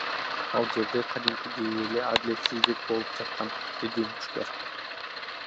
Ал жерде кадимкидей эле адилетсиздик болуп жаткан, — деди мушкер.